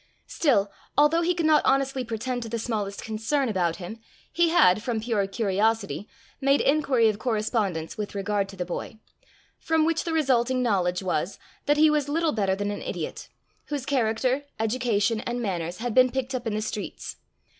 Still, although he could not honestly pretend to the smallest concern about him, he had, from pure curiosity, made inquiry of correspondents with regard to the boy; from which the resulting knowledge was, that he was little better than an idiot, whose character, education, and manners, had been picked up in the streets.